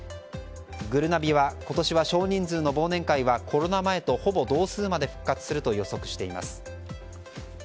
ぐるなびは今年は少人数の忘年会はコロナ前とほぼ同数まで復活すると予測しています。